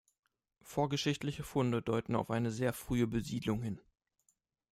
Vorgeschichtliche Funde deuten auf eine sehr frühe Besiedlung hin.